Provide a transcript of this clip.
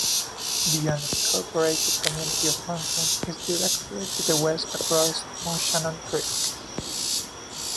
The unincorporated community of Munson is directly to the west across Moshannon Creek.